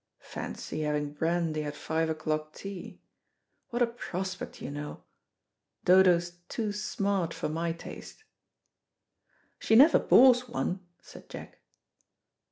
Fancy having brandy at five o'clock tea. What a prospect, you know! Dodo's too smart for my taste." "She never bores one," said Jack.